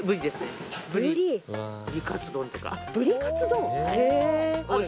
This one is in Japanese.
ブリカツ丼へぇ。